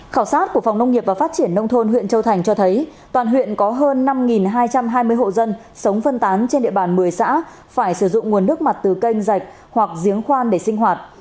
khảo sát của phòng nông nghiệp và phát triển nông thôn huyện châu thành cho thấy toàn huyện có hơn năm hai trăm hai mươi hộ dân sống phân tán trên địa bàn một mươi xã phải sử dụng nguồn nước mặt từ kênh dạch hoặc giếng khoan để sinh hoạt